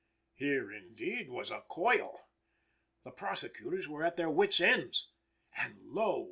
Here, indeed, was a coil! The prosecutors were at their wits' ends. And lo!